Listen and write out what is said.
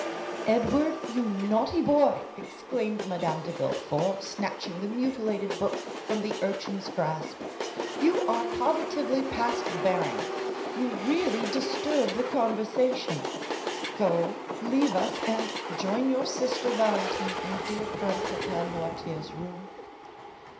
"Edward, you naughty boy," exclaimed Madame de Villefort, snatching the mutilated book from the urchin's grasp, "you are positively past bearing; you really disturb the conversation; go, leave us, and join your sister Valentine in dear grandpapa Noirtier's room."